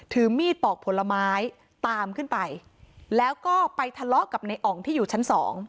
ถือมีดปอกผลไม้ตามขึ้นไปแล้วก็ไปทะเลาะกับในอ๋องที่อยู่ชั้นสอง